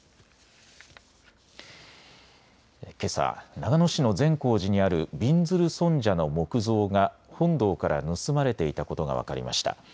けさ長野市の善光寺にあるびんずる尊者の木像が本堂から盗まれていたことが分かりました。